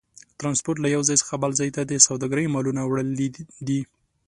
ترانسپورت له یو ځای څخه بل ځای ته د سوداګرۍ مالونو وړل دي.